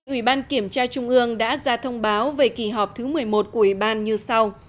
ủy ban kiểm tra trung ương đã ra thông báo về kỳ họp thứ một mươi một của ủy ban như sau